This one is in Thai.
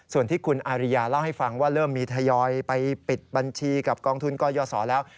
ส่วนที่คุณอาริยาเล่าให้ฟังว่าเริ่มมีทยอยไปปิดบัญชีกับกองทุนกยศแล้ว